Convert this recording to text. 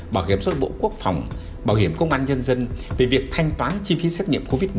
bảo hiểm xuất bộ quốc phòng bảo hiểm công an nhân dân về việc thanh toán chi phí xét nghiệm covid một mươi chín